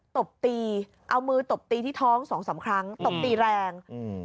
ตบตีเอามือตบตีที่ท้องสองสามครั้งตบตีแรงอืม